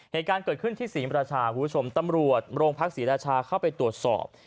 เหตุการณ์เกิดขึ้นที่ศรีมราชาคุณผู้ชมตำรวจโรงพักศรีราชาเข้าไปตรวจสอบ